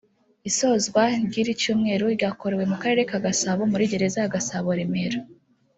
isozwa ry’iri cyumweru ryakorewe mu Karere ka Gasabo muri Gereza ya Gasabo (Remera)